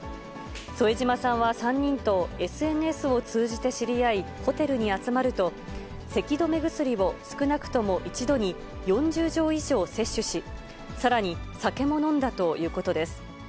添島さんは３人とＳＮＳを通じて知り合い、ホテルに集まると、せき止め薬を少なくとも一度に４０錠以上摂取し、さらに酒も飲んだということです。